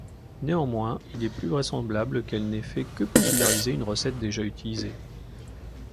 Néanmoins, il est plus vraisemblable qu'elle n'ait fait que populariser une recette déjà utilisée.